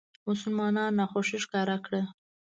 مسلمانانو ناخوښي ښکاره کړه.